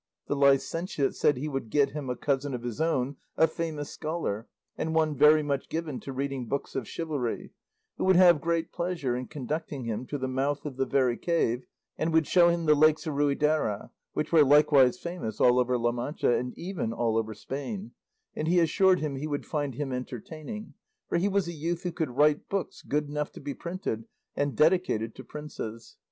The licentiate said he would get him a cousin of his own, a famous scholar, and one very much given to reading books of chivalry, who would have great pleasure in conducting him to the mouth of the very cave, and would show him the lakes of Ruidera, which were likewise famous all over La Mancha, and even all over Spain; and he assured him he would find him entertaining, for he was a youth who could write books good enough to be printed and dedicated to princes.